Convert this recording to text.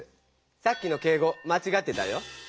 さっきの敬語まちがってたよ。